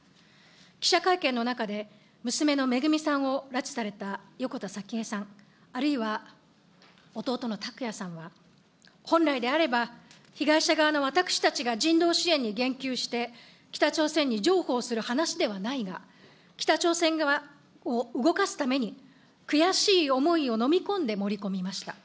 記者会見の中で、娘のめぐみさんを拉致された横田早紀江さん、あるいは弟の拓也さんは、本来であれば、被害者側の私たちが人道支援に言及して、北朝鮮に譲歩をする話ではないが、北朝鮮側を動かすために、悔しい思いを飲み込んで盛り込みました。